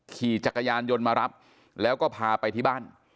ขี่จักรยานยนต์มารับแล้วก็พาไปที่บ้าน